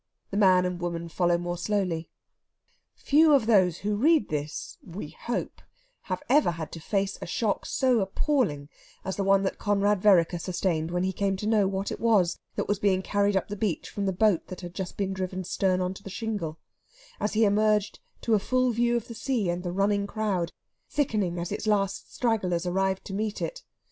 The man and woman follow more slowly. Few of those who read this, we hope, have ever had to face a shock so appalling as the one that Conrad Vereker sustained when he came to know what it was that was being carried up the beach from the boat that had just been driven stern on to the shingle, as he emerged to a full view of the sea and the running crowd, thickening as its last stragglers arrived to meet it.